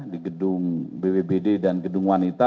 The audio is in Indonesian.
di gedung bpbd dan gedung wanita